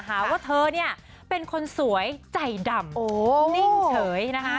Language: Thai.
หาว่าเธอเนี่ยเป็นคนสวยใจดำนิ่งเฉยนะคะ